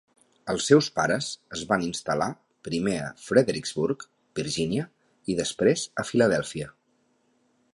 Els seus pares es van instal·lar primer a Fredericksburg, Virgínia, i després a Filadèlfia.